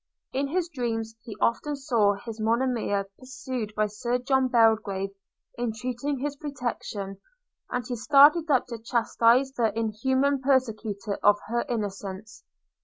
In his dreams, he often saw his Monimia pursued by Sir John Belgrave entreating his protection, and he started up to chastise the inhuman persecutor of her innocence.